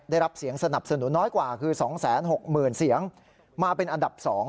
ได้รับเสียงสนับสนุนน้อยกว่าคือ๒๖๐๐๐เสียงมาเป็นอันดับ๒